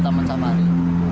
ke taman safari